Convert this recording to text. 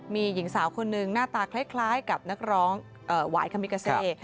มีหญิงสาวคนหนึ่งหน้าตาคล้ายกับนักร้องหวายคามิกาเซ